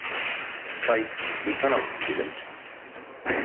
Сайть ды канавас чиремть.